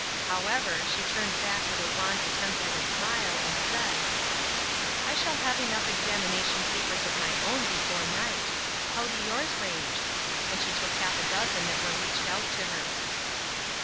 However, she turned back with a wan attempt at a smile, and said: "I shall have enough examination papers of my own before night. How do yours range?" And she took half a dozen that were reached out to her.